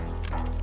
aku mau ke rumah